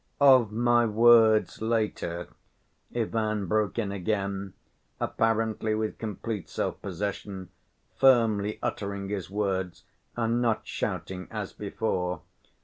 "Of my words later," Ivan broke in again, apparently with complete self‐ possession, firmly uttering his words, and not shouting as before.